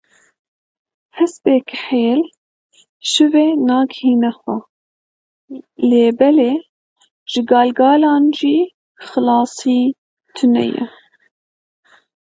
Hespê kihêl şivê nagihine xwe lêbelê ji galegalan jî xilasî tune ye.